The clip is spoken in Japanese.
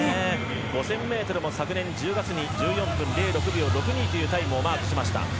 ５０００ｍも昨年１０月に１４分０６秒６２というタイムを記録しました。